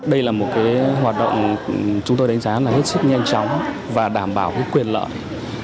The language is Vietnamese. đây là một hoạt động chúng tôi đánh giá rất nhanh chóng và đảm bảo quyền lợi